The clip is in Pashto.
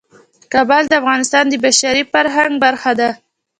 کابل د افغانستان د بشري فرهنګ برخه ده.